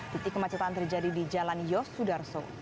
titik kemacetan terjadi di jalan yosudarso